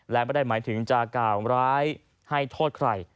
และไม่ได้หมายถึงจะกล่าวร้ายให้โทษใคร